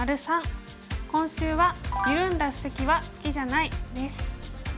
今週は「ゆるんだ布石は好きじゃない」です。